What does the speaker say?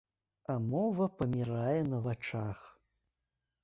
А мова памірае на вачах.